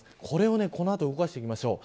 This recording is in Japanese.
これをこの後、動かしていきます。